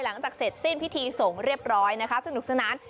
หลังจากเสร็จสิ้นพิธีส่งเรียบร้อยนะคะสนุกสนาน